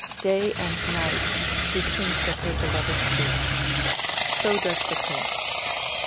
Day and night she thinks of her beloved troops. So does the Prince.